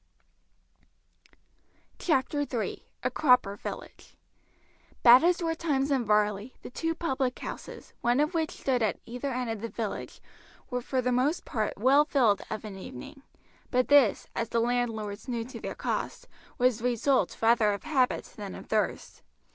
CHAPTER III: A CROPPER VILLAGE Bad as were times in Varley, the two public houses, one of which stood at either end of the village, were for the most part well filled of an evening; but this, as the landlords knew to their cost, was the result rather of habit than of thirst.